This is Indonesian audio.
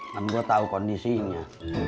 namun gue tahu kondisinya